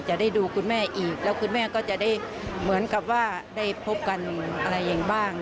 จะได้ดูคุณแม่อีกแล้วคุณแม่ก็จะได้เหมือนกับว่าได้พบกันอะไรอย่างบ้าง